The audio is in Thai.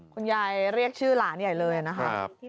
คุณยายเรียกชื่อหลานใหญ่เลยนะครับ